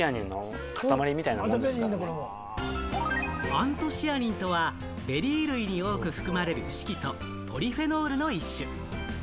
アントシアニンとは、ベリー類に多く含まれる色素・ポリフェノールの一種。